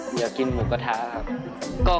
อยากกินหมูกระทะครับ